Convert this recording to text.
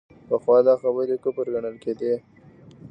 پخوا دا خبرې کفر ګڼل کېدې.